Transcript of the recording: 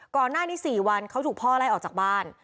ก่อนหน้านี้๔วันเขาถูกพ่อไล่ออกจากบ้าน